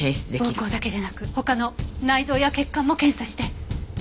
膀胱だけじゃなく他の内臓や血管も検査して。